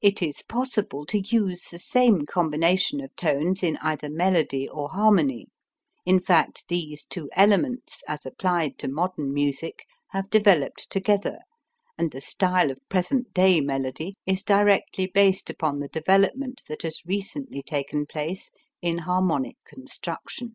It is possible to use the same combination of tones in either melody or harmony; in fact these two elements as applied to modern music have developed together and the style of present day melody is directly based upon the development that has recently taken place in harmonic construction.